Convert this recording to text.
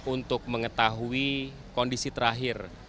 untuk mengetahui kondisi terakhir